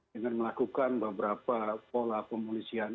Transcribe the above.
dengan melakukan beberapa pola pemolisian